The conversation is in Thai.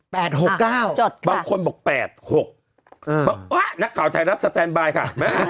แปดหกเก้าจดแปดหกอืมบอกนะเก่าไทยรักสแตนบายค่ะ